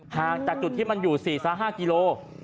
ห่างจากจุดที่มันอยู่๔๕กิโล